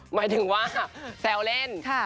หมายถึงว่าแซวเล่น